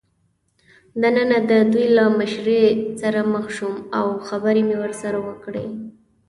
دننه د دوی له مشرې سره مخ شوم او خبرې مې ورسره وکړې.